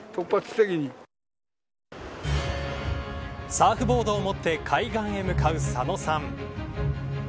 サーフボードを持って海岸へ向かう佐野さん。